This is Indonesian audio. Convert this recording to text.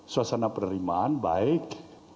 suasana penerimaan baik